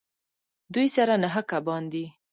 دوی سره نهه کبان دي